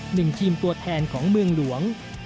หนึ่งทีมตัวแทนของเมืองหลวง